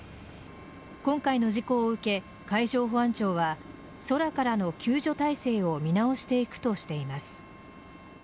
今回の事故を受け海上保安庁は空からの救助体制を見直していくとしています。